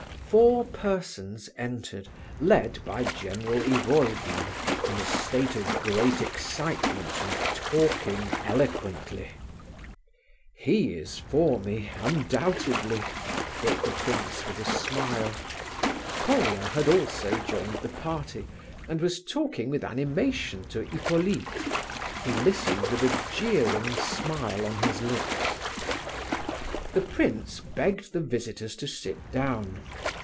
Four persons entered, led by General Ivolgin, in a state of great excitement, and talking eloquently. "He is for me, undoubtedly!" thought the prince, with a smile. Colia also had joined the party, and was talking with animation to Hippolyte, who listened with a jeering smile on his lips. The prince begged the visitors to sit down.